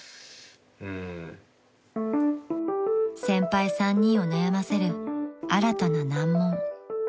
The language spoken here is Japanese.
［先輩３人を悩ませる新たな難問］